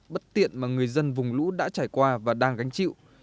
bất tiện mà người dân vùng lũ đã trải qua và đang gánh chịu